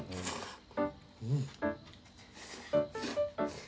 うん。